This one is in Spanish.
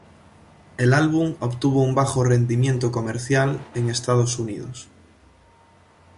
El álbum obtuvo un Bajo rendimiento comercial en Estados Unidos.